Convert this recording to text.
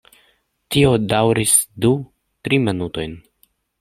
Tio daŭris du, tri minutojn.